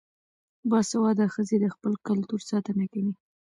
باسواده ښځې د خپل کلتور ساتنه کوي.